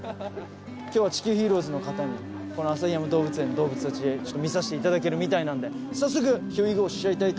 今日は地球ＨＥＲＯＥＳの方にこの旭山動物園の動物たち見させていただけるみたいなんで早速ヒュウィゴーしちゃいたいと思います。